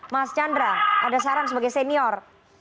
mas chandra ada saran sebagai senior